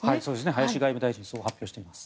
林外務大臣がそう発表しています。